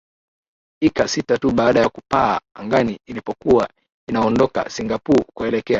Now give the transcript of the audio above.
ika sita tu baada ya kupaa angani ilipokuwa inaondoka singapore kuelekea